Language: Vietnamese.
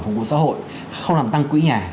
phục vụ xã hội không làm tăng quỹ nhà